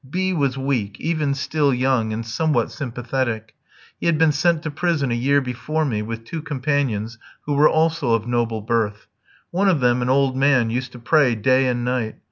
B was weak, even still young, and somewhat sympathetic. He had been sent to prison a year before me, with two companions who were also of noble birth. One of them, an old man, used to pray day and night.